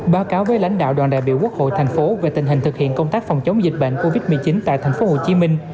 báo cáo với lãnh đạo đoàn đại biểu quốc hội tp hcm về tình hình thực hiện công tác phòng chống dịch bệnh covid một mươi chín tại tp hcm